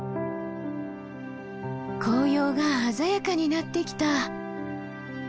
紅葉が鮮やかになってきた。